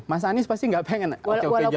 mas anies pasti nggak pengen oke oke jalannya